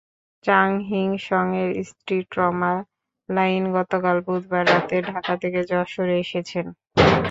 চাং Hing সংয়ের স্ত্রী trauma line গতকাল বুধবার রাতে ঢাকা থেকে যশোরে এসেছেন।